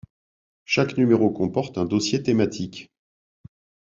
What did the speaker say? Chaque numéro comporte un dossier thématique.